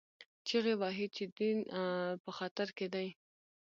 چیغې وهي چې دین په خطر کې دی